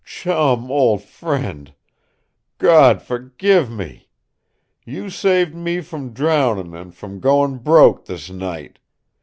"Chum, old friend! Gawd forgive me! You saved me from drowndin' an' from goin' broke, this night!